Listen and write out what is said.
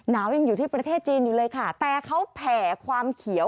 ยังอยู่ที่ประเทศจีนอยู่เลยค่ะแต่เขาแผ่ความเขียว